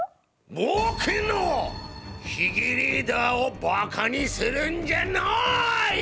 ぼくのヒゲ・レーダーをバカにするんじゃない！